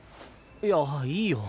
いやいいよ